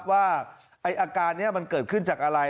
ว่าอาการนี้มันเกิดขึ้นจากอะไร